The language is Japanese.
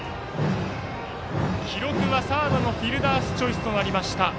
記録はサードのフィルダースチョイスとなりました。